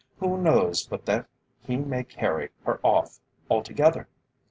Who knows but that he may carry her off altogether?"